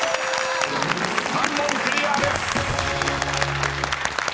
［３問クリアです］